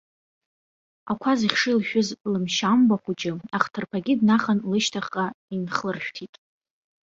Ақәа зыхьшы илшәыз лымшьамба хәыҷы ахҭырԥагьы днахан лышьҭахьҟа инхлыршәҭит.